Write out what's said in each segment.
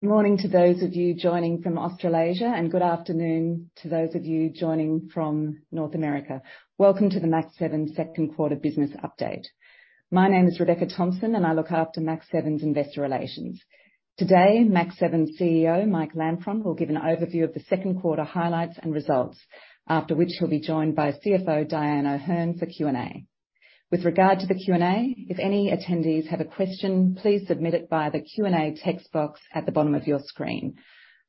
Good morning to those of you joining from Australasia. Good afternoon to those of you joining from North America. Welcome to the Mach7 second quarter business update. My name is Rebecca Thompson. I look after Mach7's investor relations. Today, Mach7 CEO, Mike Lampron, will give an overview of the second quarter highlights and results, after which he'll be joined by CFO Dyan O'Herne for Q&A. With regard to the Q&A, if any attendees have a question, please submit it via the Q&A text box at the bottom of your screen.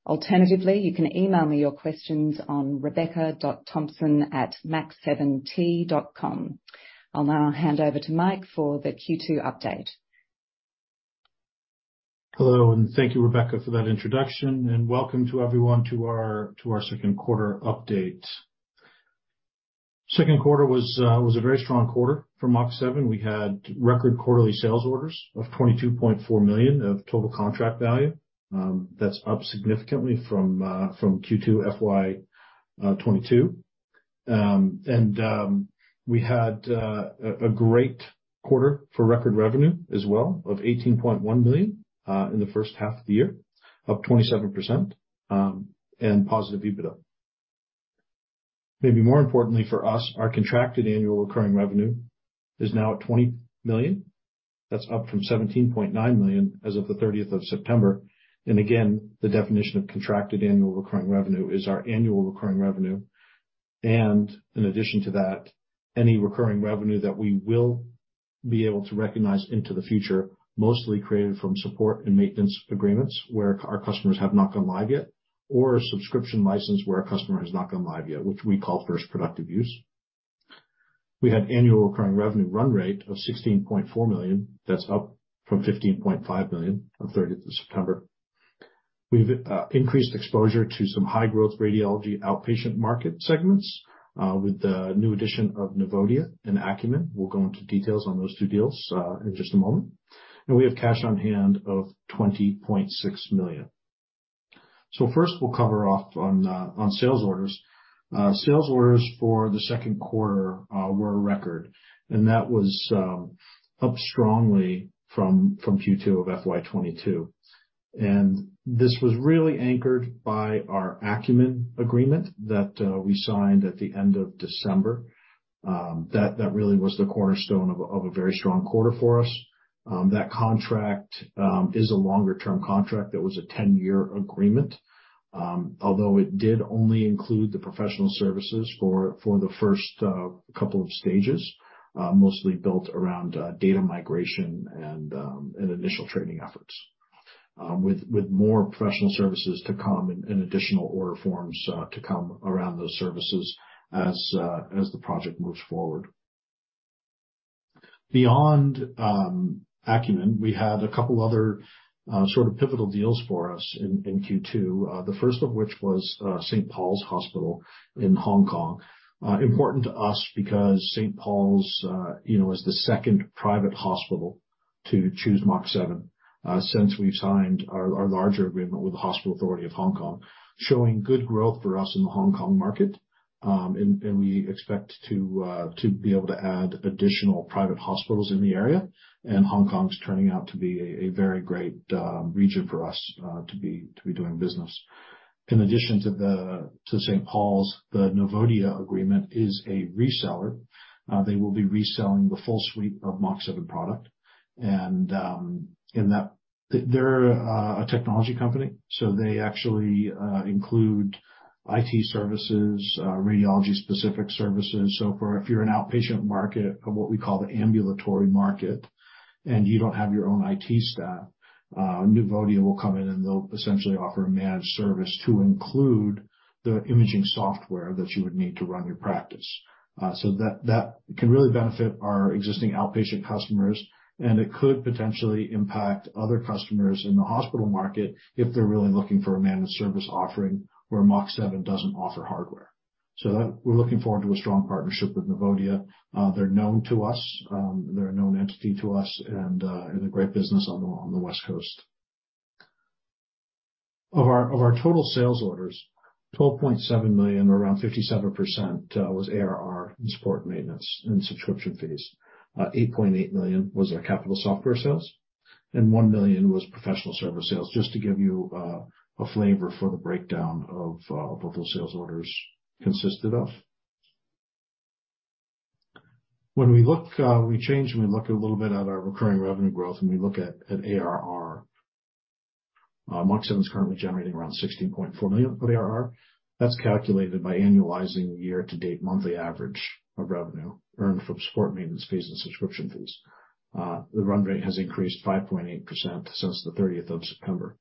Alternatively, you can email me your questions on rebecca.thompson@mach7t.com. I'll now hand over to Mike for the Q2 update. Hello, thank you, Rebecca, for that introduction, and welcome to everyone to our second quarter update. Second quarter was a very strong quarter for Mach7. We had record quarterly sales orders of $22.4 million of total contract value. That's up significantly from Q2 FY 2022. We had a great quarter for record revenue as well of $18.1 million in the first half of the year, up 27%, and positive EBITDA. Maybe more importantly for us, our Contracted Annual Recurring Revenue is now at $20 million. That's up from $17.9 million as of the 30th of September. Again, the definition of Contracted Annual Recurring Revenue is our Annual Recurring Revenue, and in addition to that, any recurring revenue that we will be able to recognize into the future, mostly created from support and maintenance agreements where our customers have not gone live yet, or a subscription license where a customer has not gone live yet, which we call First Productive Use. We had Annual Recurring Revenue run rate of $16.4 million. That's up from $15.5 million on September 30. We've increased exposure to some high growth radiology outpatient market segments with the new addition of Nuvodia and Akumin. We'll go into details on those two deals in just a moment. We have cash on hand of $20.6 million. First we'll cover off on sales orders. Sales orders for the second quarter were a record, and that was up strongly from Q2 of FY 2022. This was really anchored by our Akumin agreement that we signed at the end of December. That really was the cornerstone of a very strong quarter for us. That contract is a longer term contract that was a 10-year agreement, although it did only include the professional services for the first couple of stages, mostly built around data migration and initial training efforts. With more professional services to come and additional order forms to come around those services as the project moves forward. Beyond Akumin, we had a couple other sort of pivotal deals for us in Q2. The first of which was St. Paul's Hospital in Hong Kong. Important to us because St. Paul's, you know, is the second private hospital to choose Mach7, since we've signed our larger agreement with the Hospital Authority of Hong Kong, showing good growth for us in the Hong Kong market. We expect to be able to add additional private hospitals in the area, and Hong Kong's turning out to be a very great region for us to be doing business. In addition to St. Paul's, the Nuvodia agreement is a reseller. They will be reselling the full suite of Mach7 product and in that they're a technology company, so they actually include IT services, radiology-specific services. For if you're an outpatient market or what we call the ambulatory market, and you don't have your own IT staff, Nuvodia will come in, and they'll essentially offer a managed service to include the imaging software that you would need to run your practice. That can really benefit our existing outpatient customers, and it could potentially impact other customers in the hospital market if they're really looking for a managed service offering where Mach7 doesn't offer hardware. That we're looking forward to a strong partnership with Nuvodia. They're known to us. They're a known entity to us and a great business on the West Coast. Of our total sales orders, $12.7 million or around 57%, was ARR and support maintenance and subscription fees. 8.8 million was our capital software sales, 1 million was professional service sales, just to give you a flavor for the breakdown of what those sales orders consisted of. When we look, we change and we look a little bit at our recurring revenue growth and we look at ARR, Mach7 is currently generating around 16.4 million of ARR. That's calculated by annualizing year-to-date monthly average of revenue earned from support maintenance fees and subscription fees. The run rate has increased 5.8% since the 30th of September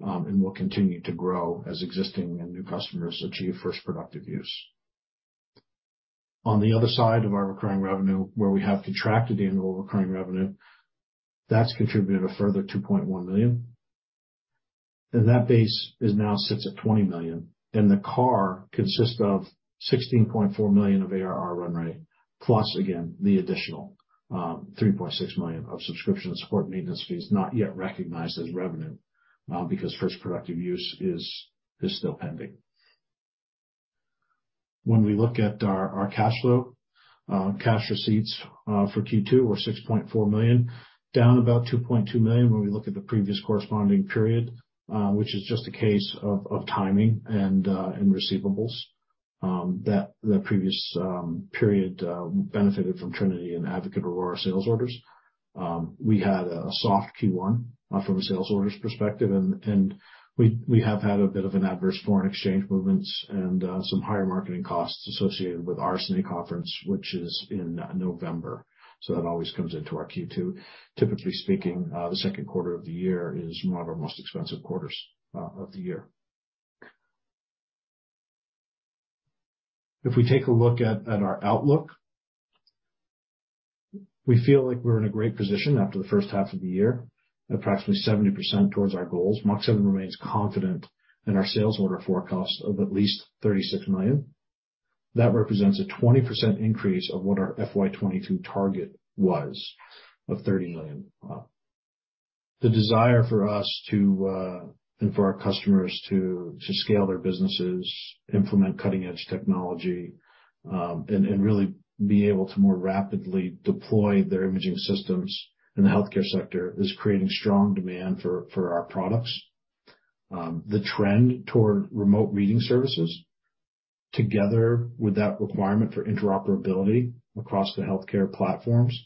and will continue to grow as existing and new customers achieve First Productive Use. On the other side of our recurring revenue, where we have Contracted Annual Recurring Revenue, that's contributed a further 2.1 million. That base is now sits at $20 million, and the CAR consists of $16.4 million of ARR run rate, plus again the additional $3.6 million of subscription support maintenance fees not yet recognized as revenue, because First Productive Use is still pending. When we look at our cash flow, cash receipts for Q2 were $6.4 million, down about $2.2 million when we look at the previous corresponding period, which is just a case of timing and receivables. That, the previous period, benefited from Trinity and Advocate Aurora sales orders. We had a soft Q1 from a sales orders perspective and we have had a bit of an adverse foreign exchange movements and some higher marketing costs associated with our RSNA conference, which is in November. That always comes into our Q2. Typically speaking, the second quarter of the year is one of our most expensive quarters of the year. If we take a look at our outlook, we feel like we're in a great position after the first half of the year, approximately 70% towards our goals. Mach7 remains confident in our sales order forecast of at least $36 million. That represents a 20% increase of what our FY 2022 target was of $30 million. The desire for us to, and for our customers to scale their businesses, implement cutting-edge technology, and really be able to more rapidly deploy their imaging systems in the healthcare sector is creating strong demand for our products. The trend toward remote reading services, together with that requirement for interoperability across the healthcare platforms,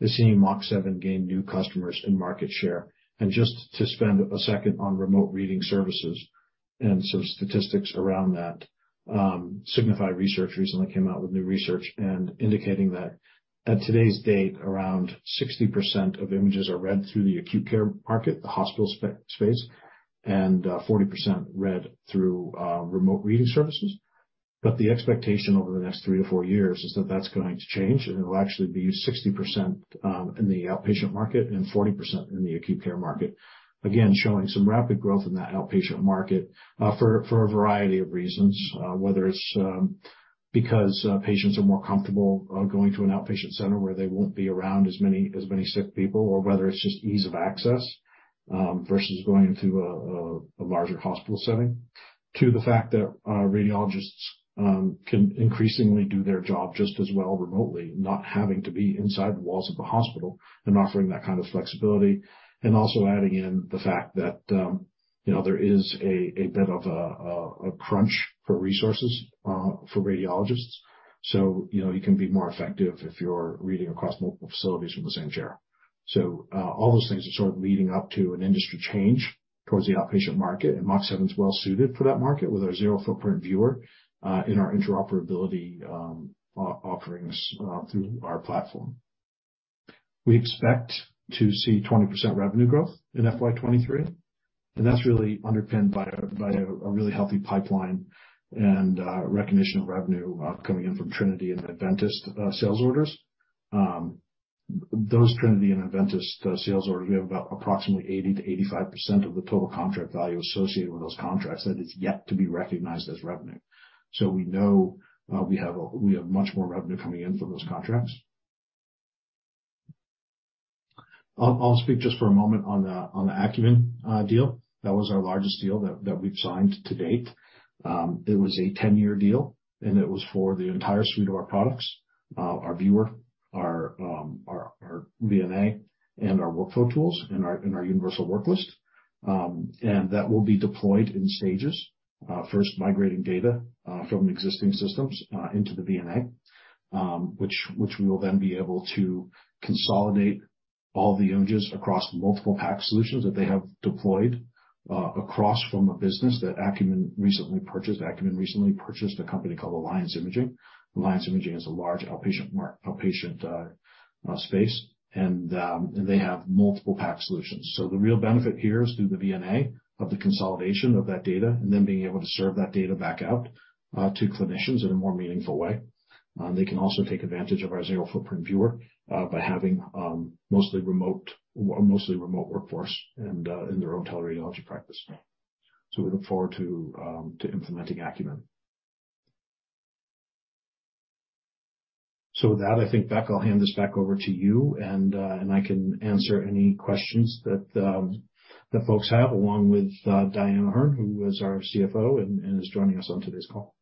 is seeing Mach7 gain new customers and market share. Just to spend a second on remote reading services and some statistics around that, Signify Research recently came out with new research indicating that at today's date, around 60% of images are read through the acute care market, the hospital space, and 40% read through remote reading services. The expectation over the next 3 to 4 years is that that's going to change, and it will actually be 60% in the outpatient market and 40% in the acute care market. Again, showing some rapid growth in that outpatient market for a variety of reasons, whether it's because patients are more comfortable going to an outpatient center where they won't be around as many sick people, or whether it's just ease of access versus going to a larger hospital setting. To the fact that our radiologists can increasingly do their job just as well remotely, not having to be inside the walls of the hospital and offering that kind of flexibility. Also adding in the fact that, you know, there is a bit of a crunch for resources for radiologists. You know, you can be more effective if you're reading across multiple facilities from the same chair. All those things are sort of leading up to an industry change towards the outpatient market, and Mach7 is well suited for that market with our zero footprint viewer in our interoperability offerings through our platform. We expect to see 20% revenue growth in FY 2023, that's really underpinned by a really healthy pipeline and recognition of revenue coming in from Trinity and Adventist sales orders. Those Trinity Health and Adventist Health sales orders, we have about approximately 80%-85% of the total contract value associated with those contracts that is yet to be recognized as revenue. We know we have much more revenue coming in from those contracts. I'll speak just for a moment on the Akumin deal. That was our largest deal that we've signed to date. It was a 10-year deal, and it was for the entire suite of our products, our viewer, our VNA and our workflow tools and our Universal Worklist. And that will be deployed in stages. First migrating data from existing systems into the VNA, which we will then be able to consolidate all the images across multiple PACS solutions that they have deployed across from a business that Akumin recently purchased. Akumin recently purchased a company called Alliance Imaging. Alliance Imaging is a large outpatient outpatient space, they have multiple PACS solutions. The real benefit here is through the VNA of the consolidation of that data and then being able to serve that data back out to clinicians in a more meaningful way. They can also take advantage of our zero footprint viewer by having mostly remote workforce and in their own teleradiology practice. We look forward to implementing Akumin. With that, I think, Beck, I'll hand this back over to you, and I can answer any questions that folks have, along with Dyan O'Herne, who is our CFO and is joining us on today's call.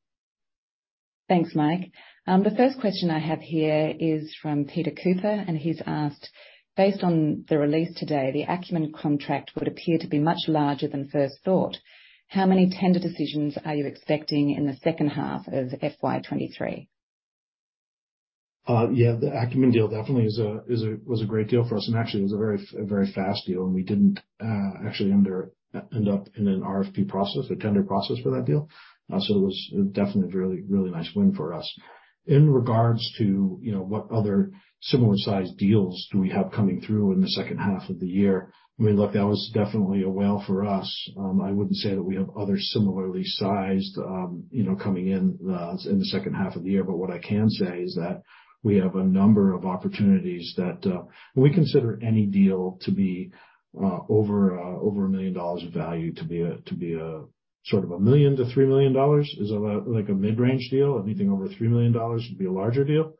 Thanks, Mike. The first question I have here is from Peter Cooper, and he's asked, "Based on the release today, the Akumin contract would appear to be much larger than first thought. How many tender decisions are you expecting in the second half of FY 2023? Yeah, the Akumin deal definitely was a great deal for us, and actually it was a very, a very fast deal, and we didn't actually end up in an RFP process, a tender process for that deal. It was definitely a really, really nice win for us. In regards to, you know, what other similar-sized deals do we have coming through in the second half of the year, I mean, look, that was definitely a whale for us. I wouldn't say that we have other similarly sized, you know, coming in in the second half of the year. What I can say is that we have a number of opportunities that... We consider any deal to be over $1 million of value to be a sort of $1 million-$3 million is about like a mid-range deal. Anything over $3 million would be a larger deal.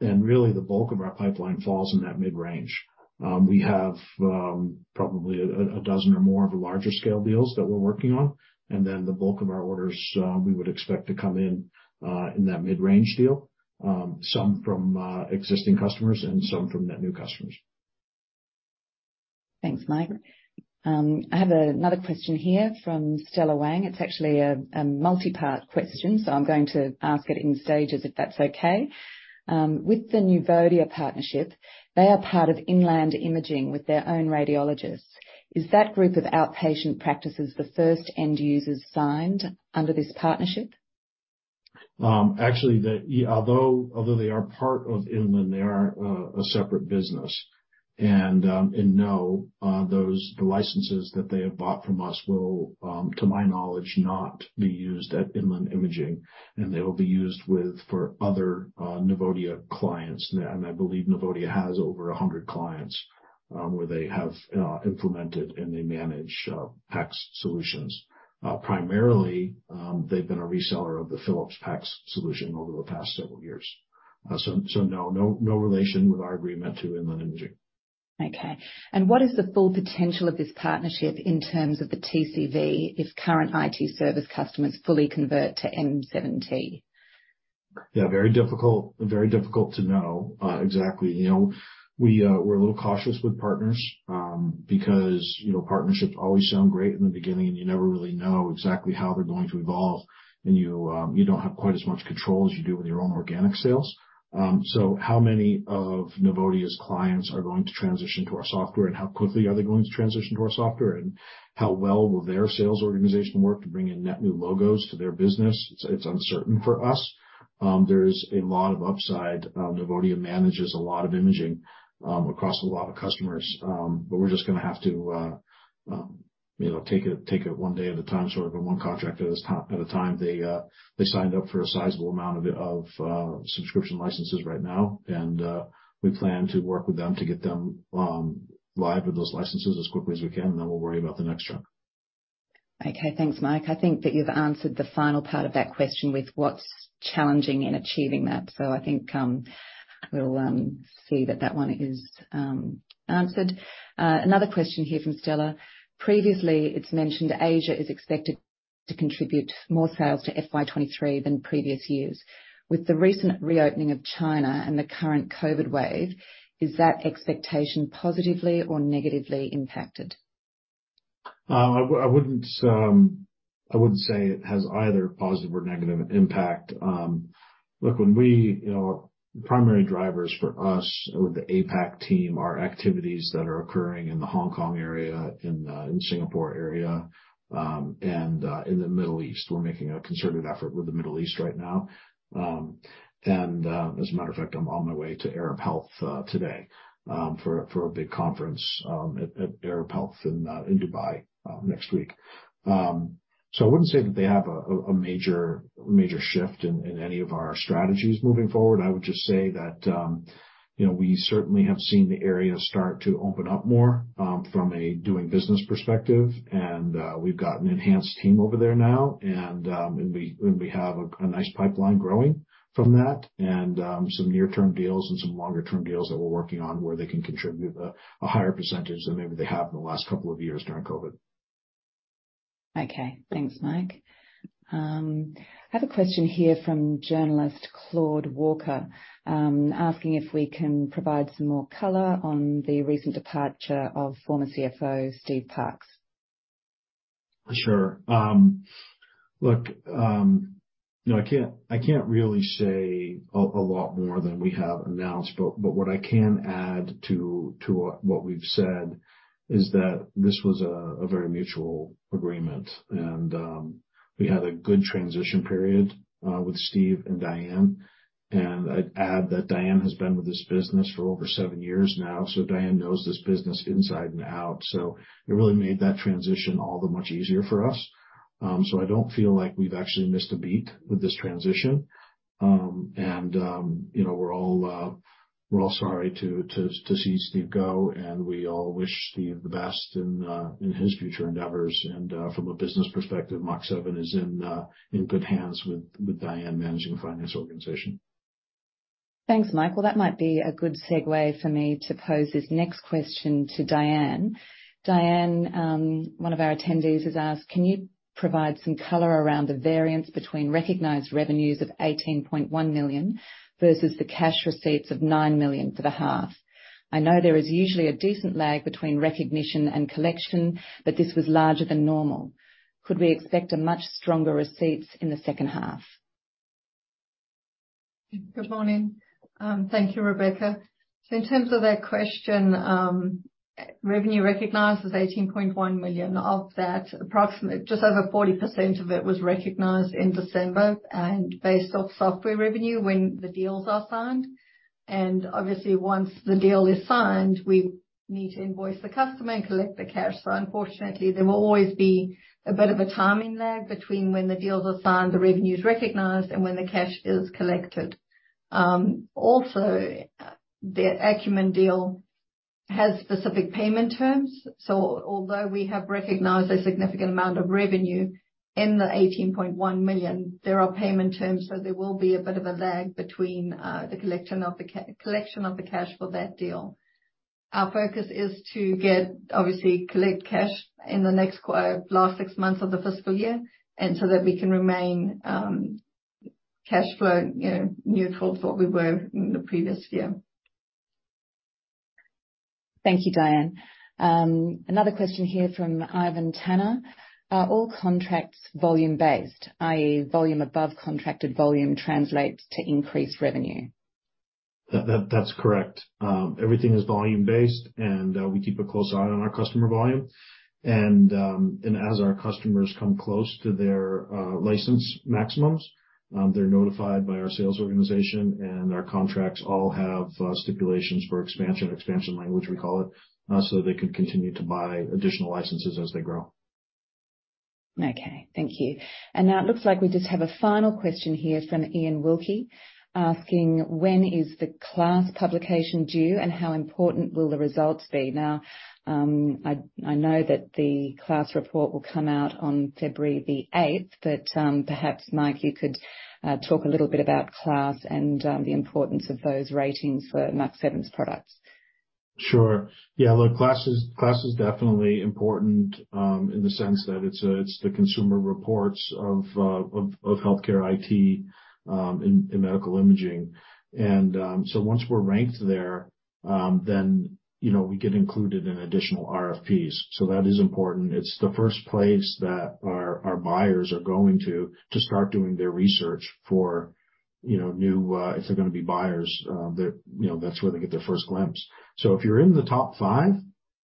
Really the bulk of our pipeline falls in that mid-range. We have probably a dozen or more of larger scale deals that we're working on, and then the bulk of our orders we would expect to come in in that mid-range deal, some from existing customers and some from net new customers. Thanks, Mike. I have another question here from Stella Wang. It's actually a multi-part question, so I'm going to ask it in stages, if that's okay. With the Nuvodia partnership, they are part of Inland Imaging with their own radiologists. Is that group of outpatient practices the first end users signed under this partnership? Actually, although they are part of Inland Imaging, they are a separate business. No, those licenses that they have bought from us will, to my knowledge, not be used at Inland Imaging, and they'll be used for other Nuvodia clients. I believe Nuvodia has over 100 clients, where they have implemented and they manage PACS solutions. Primarily, they've been a reseller of the Philips PACS solution over the past several years. No relation with our agreement to Inland Imaging. Okay. What is the full potential of this partnership in terms of the TCV if current IT service customers fully convert to M7T? Yeah, very difficult, very difficult to know exactly. You know, we're a little cautious with partners because, you know, partnerships always sound great in the beginning, and you never really know exactly how they're going to evolve. You don't have quite as much control as you do with your own organic sales. How many of Nuvodia's clients are going to transition to our software, and how quickly are they going to transition to our software, and how well will their sales organization work to bring in net new logos to their business? It's, it's uncertain for us. There is a lot of upside. Nuvodia manages a lot of imaging across a lot of customers. But we're just gonna have to, you know, take it, take it one day at a time, sort of, and one contract at a time. They, they signed up for a sizable amount of subscription licenses right now, and, we plan to work with them to get them live with those licenses as quickly as we can, and then we'll worry about the next chunk. Okay. Thanks, Mike. I think that you've answered the final part of that question with what's challenging in achieving that. I think, we'll see that that one is answered. Another question here from Stella. Previously, it's mentioned Asia is expected to contribute more sales to FY 2023 than previous years. With the recent reopening of China and the current COVID wave, is that expectation positively or negatively impacted? I wouldn't say it has either positive or negative impact. Look, when we, you know, primary drivers for us with the APAC team are activities that are occurring in the Hong Kong area, in Singapore area, and in the Middle East. We're making a concerted effort with the Middle East right now. And as a matter of fact, I'm on my way to Arab Health today for a big conference at Arab Health in Dubai next week. I wouldn't say that they have a major shift in any of our strategies moving forward. I would just say that, you know, we certainly have seen the area start to open up more, from a doing business perspective. We've got an enhanced team over there now. We have a nice pipeline growing from that and some near-term deals and some longer-term deals that we're working on, where they can contribute a higher percentage than maybe they have in the last couple of years during COVID. Okay. Thanks, Mike. I have a question here from journalist Claude Walker, asking if we can provide some more color on the recent departure of former CFO, Steve Parkes. Sure. Look, you know, I can't really say a lot more than we have announced, what I can add to what we've said is that this was a very mutual agreement. We had a good transition period with Steve and Dyan. I'd add that Dyan has been with this business for over seven years now, Dyan knows this business inside and out. It really made that transition all the much easier for us. I don't feel like we've actually missed a beat with this transition. You know, we're all sorry to see Steve go, we all wish Steve the best in his future endeavors. From a business perspective, Mach7 is in good hands with Dyan managing the finance organization. Thanks, Mike. Well, that might be a good segue for me to pose this next question to Dyan. Dyan, one of our attendees has asked, can you provide some color around the variance between recognized revenues of 18.1 million versus the cash receipts of 9 million for the half? I know there is usually a decent lag between recognition and collection, but this was larger than normal. Could we expect a much stronger receipts in the second half? Good morning. Thank you, Rebecca. In terms of that question, revenue recognized was 18.1 million. Of that, approximately just over 40% of it was recognized in December and based off software revenue when the deals are signed. Obviously, once the deal is signed, we need to invoice the customer and collect the cash. Unfortunately, there will always be a bit of a timing lag between when the deals are signed, the revenue's recognized, and when the cash is collected. Also, the Akumin deal has specific payment terms. Although we have recognized a significant amount of revenue in the 18.1 million, there are payment terms, so there will be a bit of a lag between the collection of the cash for that deal. Our focus is to get... Obviously collect cash in the next last six months of the fiscal year, and so that we can remain, cash flow, you know, neutral to what we were in the previous year. Thank you, Dyan. Another question here from Ivan Tanner. Are all contracts volume-based, i.e., volume above contracted volume translates to increased revenue? That's correct. Everything is volume-based, and we keep a close eye on our customer volume. As our customers come close to their license maximums, they're notified by our sales organization, and our contracts all have stipulations for expansion language, we call it, so they can continue to buy additional licenses as they grow. Okay, thank you. Now it looks like we just have a final question here from Ian Wilkie asking: When is the KLAS publication due, and how important will the results be? Now, I know that the KLAS report will come out on February 8, but perhaps, Mike, you could talk a little bit about KLAS and the importance of those ratings for Mach7's products. Sure. Yeah, look, KLAS is definitely important in the sense that it's the consumer reports of healthcare IT in medical imaging. Once we're ranked there, then, you know, we get included in additional RFPs. That is important. It's the first place that our buyers are going to start doing their research for, you know, new, if they're gonna be buyers, that, you know, that's where they get their first glimpse. If you're in the top five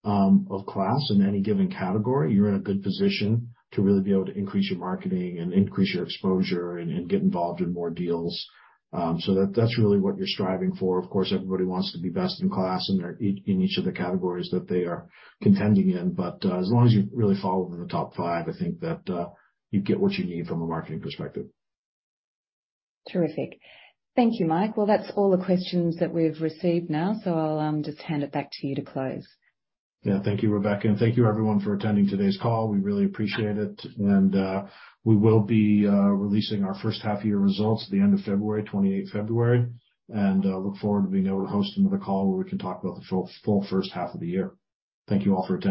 of KLAS in any given category, you're in a good position to really be able to increase your marketing and increase your exposure and get involved in more deals. That's really what you're striving for. Of course, everybody wants to be Best in KLAS in their each, in each of the categories that they are contending in. As long as you really fall within the top five, I think that, you get what you need from a marketing perspective. Terrific. Thank you, Mike. That's all the questions that we've received now, so I'll just hand it back to you to close. Yeah. Thank you, Rebecca. Thank you everyone for attending today's call. We really appreciate it. We will be releasing our first half year results at the end of February, 28th February. Look forward to being able to host another call where we can talk about the full first half of the year. Thank you all for attending.